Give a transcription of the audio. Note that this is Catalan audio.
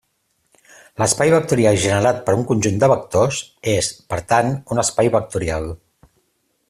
L'espai vectorial generat per un conjunt de vectors és, per tant, un espai vectorial.